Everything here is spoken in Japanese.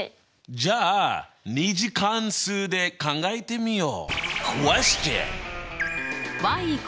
じゃあ２次関数で考えてみよう！